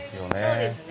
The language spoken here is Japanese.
そうですね。